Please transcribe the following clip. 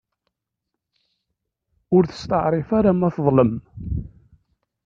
Ur testeεrif ara ma teḍlem.